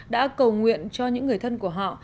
đã cầu nguyện cho những người thân của họ